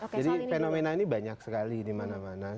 jadi fenomena ini banyak sekali di mana mana